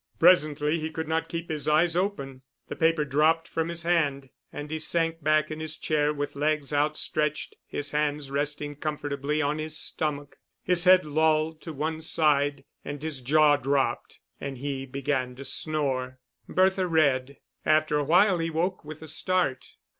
Presently he could not keep his eyes open, the paper dropped from his hand, and he sank back in his chair with legs outstretched, his hands resting comfortably on his stomach. His head lolled to one side and his jaw dropped, and he began to snore. Bertha read. After a while he woke with a start.